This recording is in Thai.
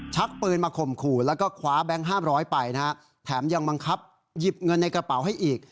ปืนมาข่มขู่แล้วก็คว้าแบงค์๕๐๐ไปนะฮะแถมยังบังคับหยิบเงินในกระเป๋าให้อีก